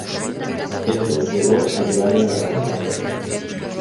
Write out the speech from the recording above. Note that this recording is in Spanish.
Esto llegó a llevarle a la cárcel.